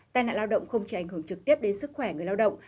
tai nạn lao động không chỉ ảnh hưởng trực tiếp đến sức khỏe người lao động